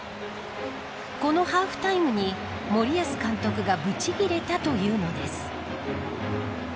このハーフタイムに森保監督がブチ切れたというのです。